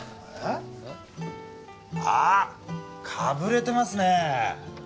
えっ？あっかぶれてますね。